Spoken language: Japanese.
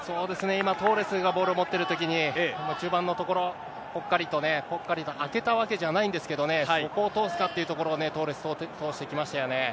今、トーレスがボールを持ってるときに、中盤のところ、ぽっかりと、ぽっかりと空けたわけじゃないんですけどね、そこを通すかっていうところをね、トーレス、通してきましたよね。